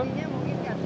aslinya mungkin ya